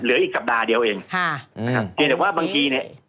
เหลืออีกสัปดาห์เดียวเองฮ่าอืมแต่ว่าบางทีเนี่ย